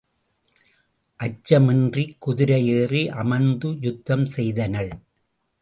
அச்சம் இன்றிக் குதிரை ஏறி அமர்ந்து யுத்தம் செய்தனள்.